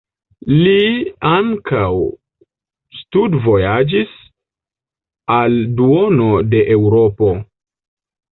Li ankaŭ studvojaĝis al duono de Eŭropo.